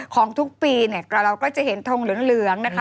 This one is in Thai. ของทุกปีเราก็จะเห็นทงเหลืองนะคะ